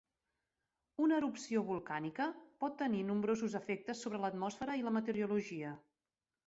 Una erupció volcànica pot tenir nombrosos efectes sobre l'atmosfera i la meteorologia.